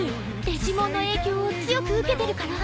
デジモンの影響を強く受けてるから？